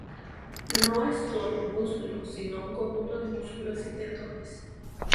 No es sólo un músculo, sino un conjunto de músculos y tendones.